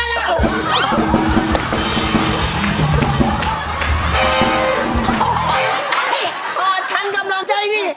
น่าจะจับใช้หนึ่ง